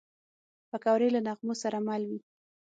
پکورې له نغمو سره مل وي